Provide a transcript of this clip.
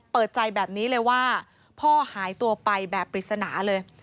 เปิดใจแบบนี้เลยว่าพ่อหายตัวไปแบบปริศนาเลย